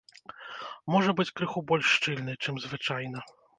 Можа быць крыху больш шчыльны, чым звычайна.